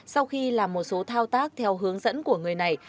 sau khi làm một số thao tác theo hướng dẫn của người này